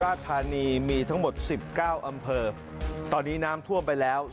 ราธานีมีทั้งหมด๑๙อำเภอตอนนี้น้ำท่วมไปแล้ว